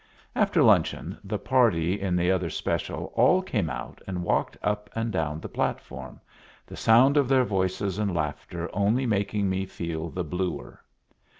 After luncheon the party in the other special all came out and walked up and down the platform, the sound of their voices and laughter only making me feel the bluer.